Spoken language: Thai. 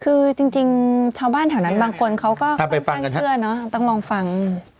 คือจริงจริงชาวบ้านแถวนั้นบางคนเขาก็ถ้าไปฟังกันต้องลองฟัง